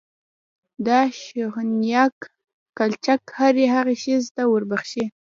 دا شهوتناک غلچک هرې هغې ښځې ته وربښې.